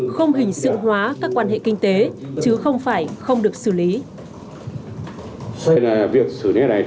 không hình sự hóa các quan hệ kinh tế chứ không phải không được xử lý